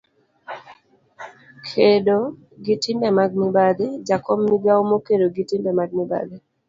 kedo gi timbe mag mibadhi. jakom, migawo makedo gi timbe mag mibadhi